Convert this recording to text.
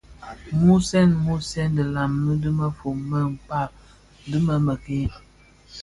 Mmusèn musèn dhilami di mefom me mkpag dhi më bëk-ke,